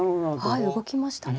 はい動きましたね。